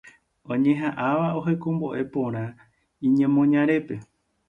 oñeha'ãva ohekombo'e porã iñemoñarépe.